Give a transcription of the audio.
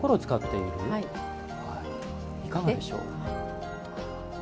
いかがでしょう。